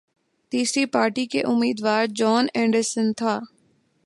تیسری پارٹی کے امیدوار جان اینڈرسن تھا